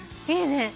いいね